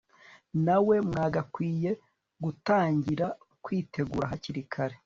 nawe mwagakwiye gutangira kwitegura hakiri kare